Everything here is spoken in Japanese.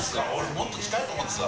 もっと近いと思ってた。